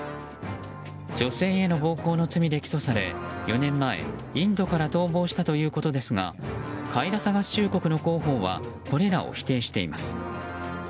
女性への暴行の罪で起訴され４年前インドから逃亡したということですがカイラサ合衆国の広報はこれらを否定しています。